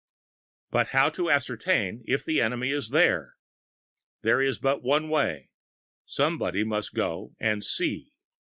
But how ascertain if the enemy is there? There is but one way: somebody must go and see.